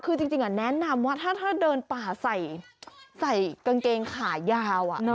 คือจริงแนะนำว่าถ้าเดินป่าใส่กางเกงขายาว